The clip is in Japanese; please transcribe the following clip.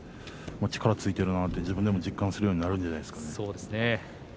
力がついているなと自分でも実感するようになるんじゃないですかね。